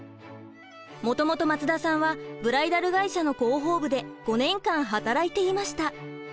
もともと松田さんはブライダル会社の広報部で５年間働いていました。